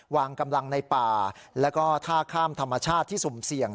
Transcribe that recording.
วางกำลังในป่าแล้วก็ท่าข้ามธรรมชาติที่สุ่มเสี่ยง